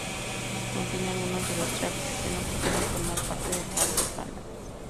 Contiene algunos de los tracks que no pudieron formar parte de "All the Plans".